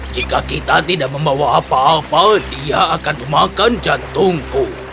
jika kita tidak membawa apa apa dia akan memakan jantungku